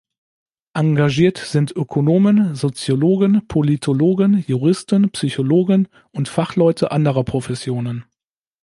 Engagiert sind Ökonomen, Soziologen, Politologen, Juristen, Psychologen und Fachleute anderer Professionen.